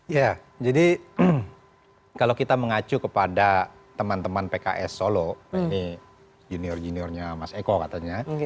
ya jadi kalau kita mengacu kepada teman teman pks solo ini junior juniornya mas eko katanya